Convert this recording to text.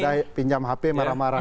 saya pinjam hp marah marah